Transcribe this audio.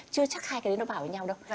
chưa chắc hai cái đó bảo với nhau đâu